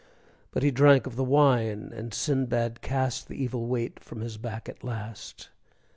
But he drank of the wine, and Sindbad cast The evil weight from his back at last.